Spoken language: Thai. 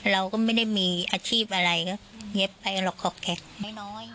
เราก็ไม่ได้มีอาชีพอะไรเงียบไปหรอกขอกแกะ